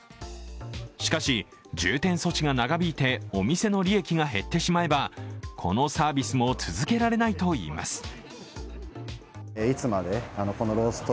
しかし、重点措置が長引いてお店の利益が減ってしまえばこのサービスも続けられないといいます。